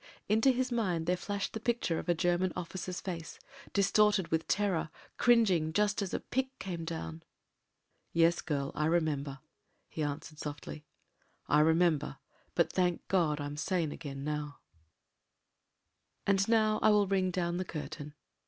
Into his mind there flashed the picture of a German officer's face — distorted with terror — cringing: just as a pick came down. ... Yes, girl, I remember," he answered softly. "I remember. But, thank God, I'm sane again now.^ SII 99 312 MEN, WOMEN AND GUNS And now I will ring down the curtain.